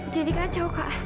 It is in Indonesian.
jadi kacau kak